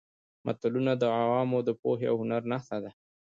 متلونه د عوامو د پوهې او هنر نښه ده